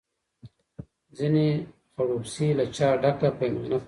ځیني خړوب سي له چا ډکه پیمانه پاته سي